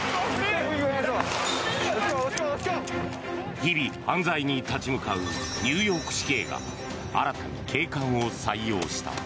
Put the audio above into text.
日々、犯罪に立ち向かうニューヨーク市警が新たに警官を採用した。